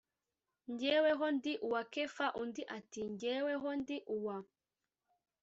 jyeweho ndi uwa kefa undi ati jyeweho ndi uwa